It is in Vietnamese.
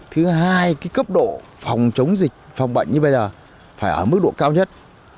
thứ hai cấp độ phòng chống dịch phòng bệnh như bây giờ phải ở mức độ cao nhất